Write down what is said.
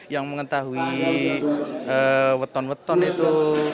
yang mengetahui weton weton itu